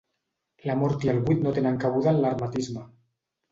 La mort i el buit no tenen cabuda en l'hermetisme.